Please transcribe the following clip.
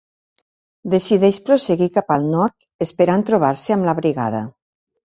Decideix prosseguir cap al Nord, esperant trobar-se amb la brigada.